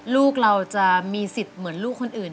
ลูกเราจะมีสิทธิ์เหมือนลูกคนอื่น